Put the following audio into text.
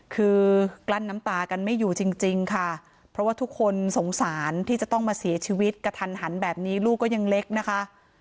คือกลั้นน้ำตากันไม่อยู่จริงค่ะเพราะว่าทุกคนสงสารที่จะต้องมาเสียชีวิตกระทันหันแบบนี้ลูกก็ยังเล็กนะคะ